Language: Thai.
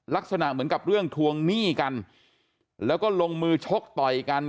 ลักษณะเหมือนกับเรื่องทวงหนี้กันแล้วก็ลงมือชกต่อยกัน